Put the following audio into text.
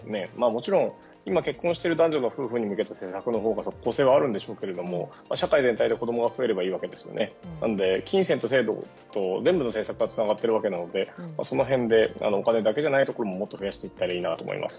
もちろん、今結婚している男女に向けての施策のほうが即効性はあるんでしょうけれど社会全体で子供が増えればいいわけですから金銭と制度と全部の政策がつながっているわけなのでその辺でお金だけじゃないところももっと増やしていったらいいと思います。